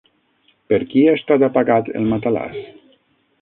Per qui ha estat apagat el matalàs?